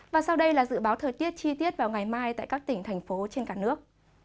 và sau đây là dự báo thời tiết chi tiết vào ngày mai tại các tỉnh thành phố trên cả nước